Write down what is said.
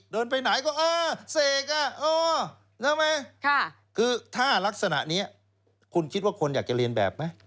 รู้ไหมคือถ้ารักษณะนี้คุณคิดว่าคนอยากจะเรียนแบบไหม